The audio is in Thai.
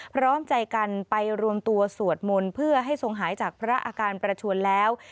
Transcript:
พร้อมใจกันไปรวมตัวสวดมนต์เพื่อให้ทรงหายจากพระอาการประชวนแล้ว